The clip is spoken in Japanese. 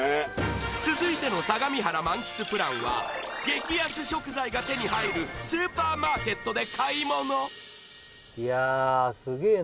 続いての相模原満喫プランは激安食材が手に入るスーパーマーケットで買い物いやあすげえ